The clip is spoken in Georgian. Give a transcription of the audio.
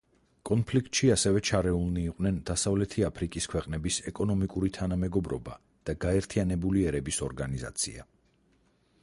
კონფლიქტში ასევე ჩარეული იყვნენ დასავლეთი აფრიკის ქვეყნების ეკონომიკური თანამეგობრობა და გაერთიანებული ერების ორგანიზაცია.